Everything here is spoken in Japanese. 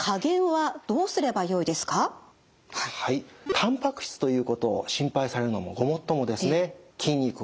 たんぱく質ということを心配されるのもごもっともですね。